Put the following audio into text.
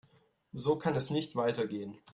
So kann es nicht weitergehen.